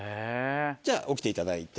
じゃあ起きていただいて。